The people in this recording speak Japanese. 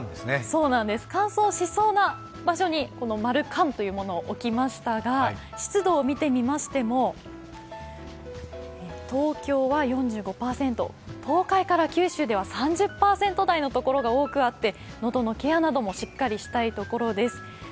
乾燥しそうな場所に、「乾」を置きましたが、湿度を見てみましても東京は４５％、東海から九州では３０％台のところが多くあって、喉のケアなどもしっかりしたいところです。